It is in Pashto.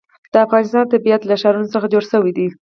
د افغانستان طبیعت له ښارونه څخه جوړ شوی دی.